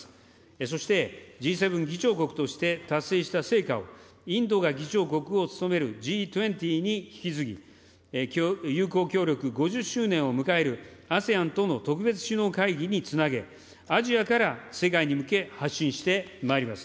そしてＧ７議長国として達成した成果を、インドが議長国を務めるＧ２０に引き継ぎ、友好協力５０周年を迎えるＡＳＥＡＮとの特別首脳会議につなげ、アジアから世界に向け発信してまいります。